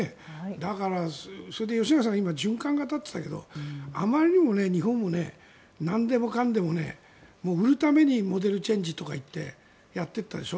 だからそれで吉永さんが今、循環型と言ったけどあまりにも日本もなんでもかんでも売るためにモデルチェンジとかっていってやっていったでしょ。